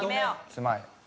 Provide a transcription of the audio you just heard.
妻へ。